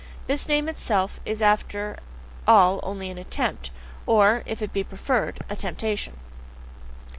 This name itself is after all only an attempt, or, if it be preferred, a temptation.